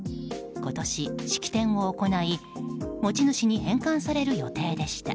今年、式典を行い持ち主に返還される予定でした。